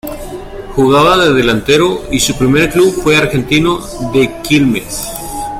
Jugaba de delantero y su primer club fue Argentino de Quilmes.